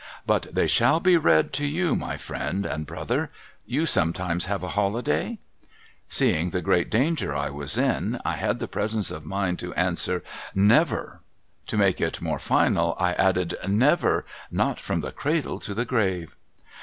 But they shall be read to you, my friend and brother. You sometimes have a holiday ?' Seeing the great danger I was in, I had the presence of mind to answer, ' Never I ' To make it more final, I added, ' Never ! Not from the cradle to the grave.'